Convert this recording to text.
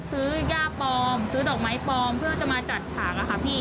ซื้อย่าปลอมซื้อดอกไม้ปลอมเพื่อจะมาจัดฉากอะค่ะพี่